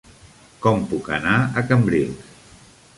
Com puc anar a Cambrils?